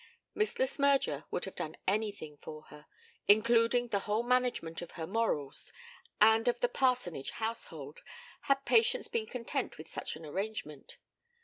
Miss Le Smyrger would have done anything for her, including the whole management of her morals and of the parsonage household, had Patience been content with such an arrangement.